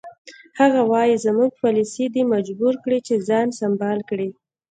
هغه وایي زموږ پالیسي دی مجبور کړی چې ځان سمبال کړي.